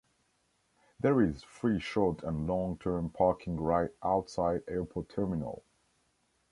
There is free short and long term parking right outside airport terminal.